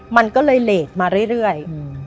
มันก็เลยเลสมาเรื่อย